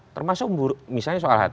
termasuk misalnya soal hti